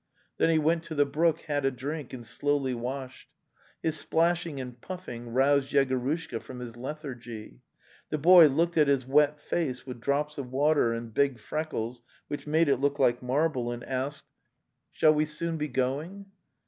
"' Then he went to the brook, had a drink and slowly washed. His splashing and puffing roused Yego rushka from his lethargy. The boy looked at his wet face with drops of water and big freckles which made it look like marble, and asked: 182 The Tales of Chekhov '* Shall we soon be going?"